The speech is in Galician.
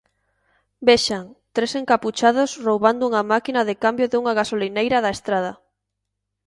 Vexan, tres encapuchados roubando unha máquina de cambio dunha gasolineira da Estrada.